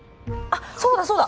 あっそうだそうだ！